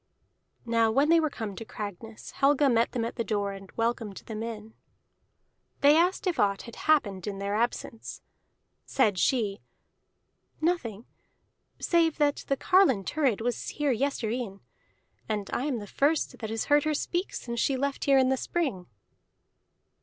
Now when they were come to Cragness, Helga met them at the door and welcomed them in. They asked if aught had happened in their absence. Said she, "Nothing save that the carline Thurid was here yestreen, and I am the first that has heard her speak since she left here in the spring."